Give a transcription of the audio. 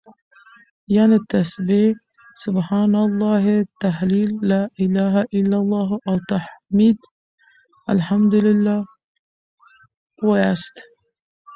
يعنې تسبيح سبحان الله، تهليل لا إله إلا الله او تحميد الحمد لله واياست